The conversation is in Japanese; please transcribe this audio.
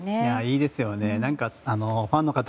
いいですよね。